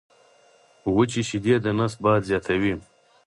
وچي شیدې د نس باد زیاتوي.